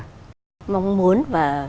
mình mong muốn và rất mong muốn